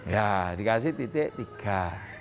ya dikasih titik tiga